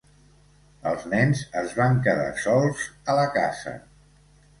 Els nens es van quedar sols a la casa.